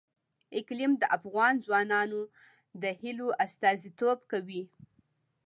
اقلیم د افغان ځوانانو د هیلو استازیتوب کوي.